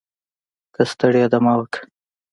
که ستړی یې دمه وکړه